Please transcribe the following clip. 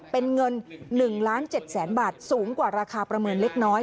เป็นเงิน๑ล้าน๗แสนบาทสูงกว่าราคาประเมินเล็กน้อย